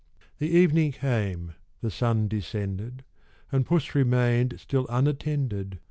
The evening came, the sun descended, And Puss remain'd still unattended.